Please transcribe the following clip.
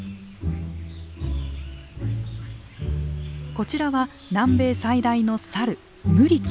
こちらは南米最大のサルムリキ。